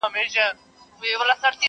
په خوب وینم چي زامن مي وژل کیږي!